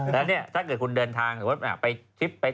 แล้วนี้ถ้าเกิดคุณเดินทางบางที้บไป